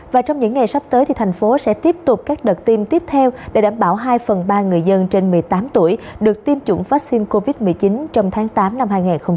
và trong những ngày sắp tới thành phố sẽ tiếp tục các đợt tiêm tiếp theo để đảm bảo hai phần ba người dân trên một mươi tám tuổi được tiêm chủng vaccine covid một mươi chín trong tháng tám năm hai nghìn hai mươi